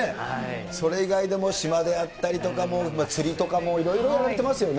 それ以外でも島であったりとか、釣りとかも、いろいろやられてますよね。